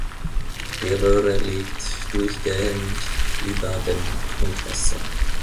Die Röhre liegt durchgehend über dem Grundwasser.